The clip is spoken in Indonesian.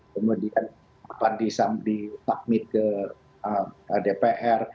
kemudian kapan bisa ditakmit ke dpr